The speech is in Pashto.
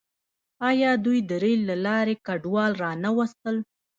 آیا دوی د ریل له لارې کډوال را نه وستل؟